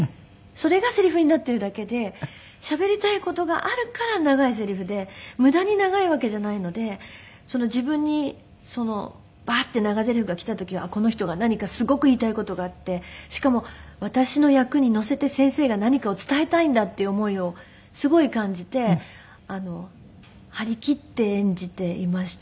それがセリフになっているだけでしゃべりたい事があるから長いセリフで無駄に長いわけじゃないので自分にバーッて長ゼリフが来た時はこの人が何かすごく言いたい事があってしかも私の役に乗せて先生が何かを伝えたいんだっていう思いをすごい感じて張り切って演じていました。